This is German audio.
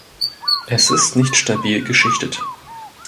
Es ist nicht stabil geschichtet.